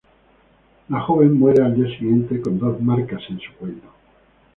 La joven muere al día siguiente, con dos marcas en su cuello.